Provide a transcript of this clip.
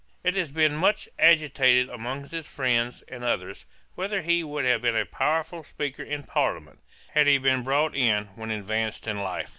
It has been much agitated among his friends and others, whether he would have been a powerful speaker in Parliament, had he been brought in when advanced in life.